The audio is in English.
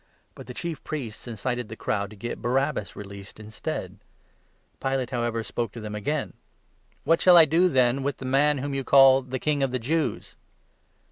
But the Chief Priests n incited the crowd to get Barabbas released instead. Pilate, 12 however, spoke to them again : "What shall I do then with the man whom you call the ' King of the Jews